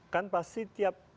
kan pasti tiap